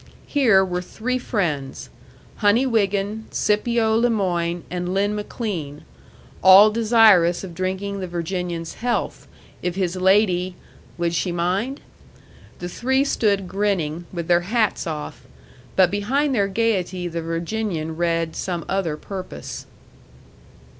Here were three friends, Honey Wiggin, Scipio Le Moyne, and Lin McLean, all desirous of drinking the Virginian's health, if his lady would she mind? The three stood grinning, with their hats off; but behind their gayety the Virginian read some other purpose.